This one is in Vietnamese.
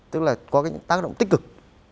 tức là có cái tác động tích cực